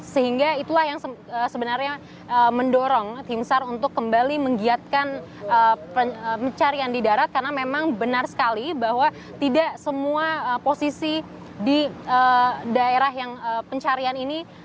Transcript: sehingga itulah yang sebenarnya mendorong tim sar untuk kembali menggiatkan pencarian di darat karena memang benar sekali bahwa tidak semua posisi di daerah yang pencarian ini